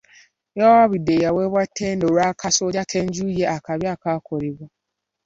Yawaabidde eyaweebwa ttenda olw'akasolya k'enju ye akabi akaakolebwa.